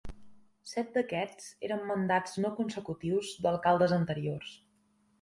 Set d'aquests eren mandats no consecutius d'alcaldes anteriors.